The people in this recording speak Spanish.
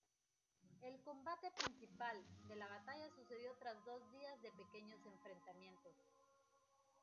El combate principal de la batalla sucedió tras dos días de pequeños enfrentamientos.